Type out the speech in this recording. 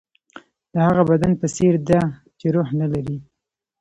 د هغه بدن په څېر ده چې روح نه لري.